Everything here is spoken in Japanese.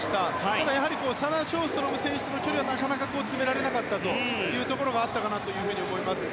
ただ、やはりサラ・ショーストロム選手との距離はなかなか詰められなかったというところがあったかなと思います。